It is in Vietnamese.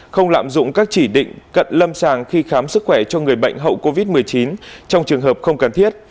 không lạm dụng các chỉ định cận lâm sàng khi khám sức khỏe cho người bệnh hậu covid một mươi chín trong trường hợp không cần thiết